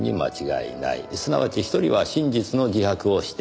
すなわち１人は真実の自白をしている。